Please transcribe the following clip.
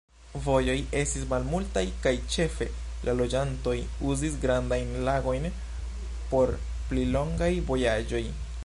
Vojoj estis malmultaj kaj ĉefe la loĝantoj uzis grandajn lagojn por pli longaj vojaĝoj.